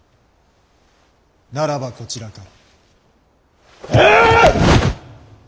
ならばこちらから。